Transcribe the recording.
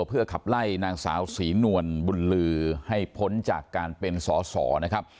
เพื่อขับไล่นางสาวศรีนวลบุญลือให้พ้นจากการเป็นสอสอนะครับ